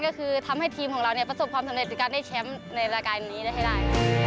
ก็คือทำให้ทีมของเราเนี่ยประสบความสำเร็จในการได้แชมป์ในรายการนี้ได้ให้ได้